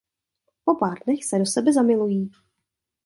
Po pár dnech se do sebe zamilují.